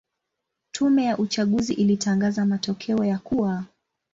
Tume ya uchaguzi ilitangaza matokeo ya kuwa